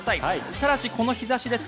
ただしこの日差しです。